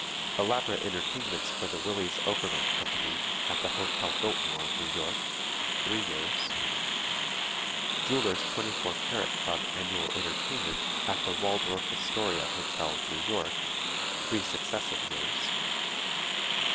Elaborate entertainments for the Willys Overland Company, at the Hotel Biltmore, New York (three years). Jewelers' 24 Karat Club Annual Entertainment at the Waldorf Astoria Hotel, New York (three successive years).